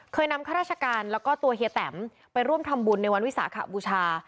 นำข้าราชการแล้วก็ตัวเฮียแตมไปร่วมทำบุญในวันวิสาขบูชา